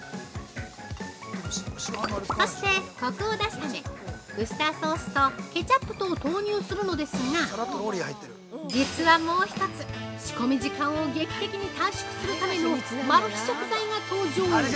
そして、コクを出すためウスターソースとケチャップとを投入するのですが実はもう一つ、仕込み時間を劇的に短縮するためのマル秘食材が登場！